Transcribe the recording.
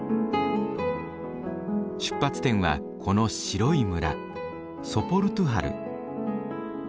出発点はこの白い村ソポルトゥハル。